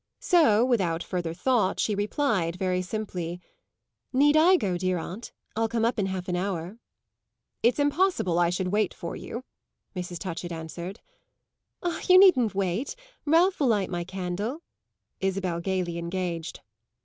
So, without further thought, she replied, very simply "Need I go, dear aunt? I'll come up in half an hour." "It's impossible I should wait for you," Mrs. Touchett answered. "Ah, you needn't wait! Ralph will light my candle," Isabel gaily engaged.